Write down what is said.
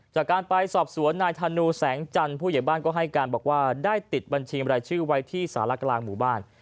จากการไปสอบสวนนายธนูแสงจันทร์ผู้ใหญ่บ้านก็ให้การบอกว่าได้ติดบัญชีบรายชื่อไว้ที่สารกลางหมู่บ้าน